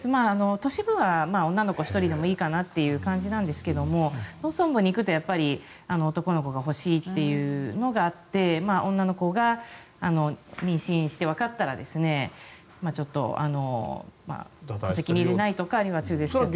都市部は女の子１人でもいいかなという感じですが農村部に行くと男の子が欲しいっていうのがあって女の子が妊娠して、わかったらちょっと戸籍に入れないとかあるいは中絶したりとか。